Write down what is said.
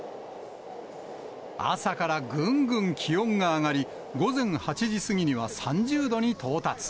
朝からぐんぐん気温が上がり、午前８時過ぎには３０度に到達。